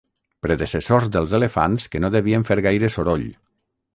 Predecessors dels elefants que no devien fer gaire soroll.